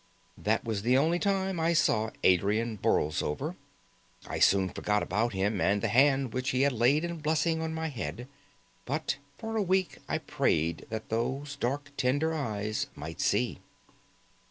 That was the only time I saw Adrian Borlsover. I soon forgot about him and the hand which he laid in blessing on my head. But for a week I prayed that those dark tender eyes might see.